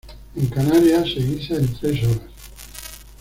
En Canarias se "guisa" en tres horas.